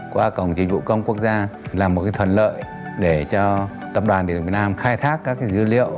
qua cổng dịch vụ công quốc gia là một thuận lợi để cho tập đoàn điện lực việt nam khai thác các dữ liệu